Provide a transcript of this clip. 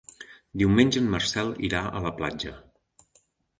Diumenge en Marcel irà a la platja.